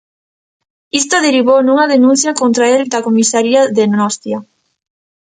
Isto derivou nunha denuncia contra el da Comisaría de Donostia.